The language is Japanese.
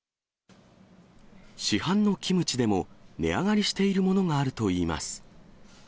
市販のキムチでも、値上がりしているものがあるといいます。